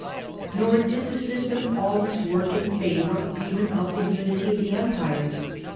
Nor did the system work always in favour even of the unity of the Empire.